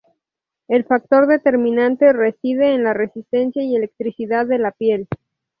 El factor determinante reside en la resistencia y elasticidad de la piel.